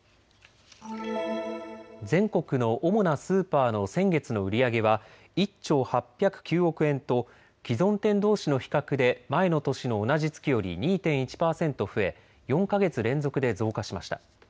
全国の主なスーパーの先月の売り上げは１兆８０９億円と既存店どうしの比較で前の年の同じ月より２．１％増え４か月連続で増加しました。